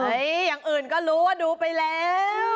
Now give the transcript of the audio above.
อย่างอื่นก็รู้ว่าดูไปแล้ว